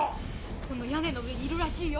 この屋根の上にいるらしいよ。